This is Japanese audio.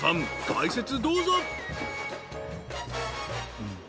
解説どうぞ］